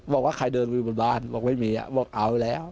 บอกว่าใครเดินไปบนบ้านบอกไม่มีบอกเอาแล้ว